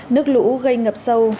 nước lũ gây ngập sâu